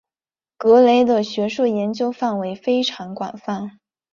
格雷的学术研究范围非常广泛。